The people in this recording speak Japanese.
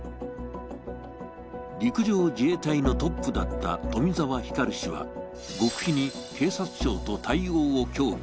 陸上自衛隊のトップだった冨澤暉氏は極秘に警察庁と対応を協議。